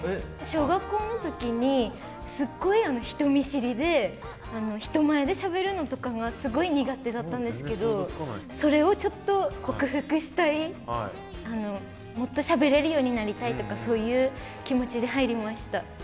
小学校の時にすっごい人見知りで人前でしゃべるのとかがすごい苦手だったんですけどそれをちょっと克服したいもっとしゃべれるようになりたいとかそういう気持ちで入りました。